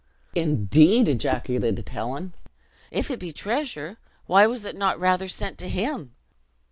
"Indeed!" ejaculated Helen. "If it be treasure, why was it not rather sent to him!"